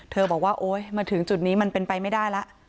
บอกว่าโอ๊ยมาถึงจุดนี้มันเป็นไปไม่ได้แล้ว